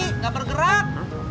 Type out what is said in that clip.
berhenti enggak bergerak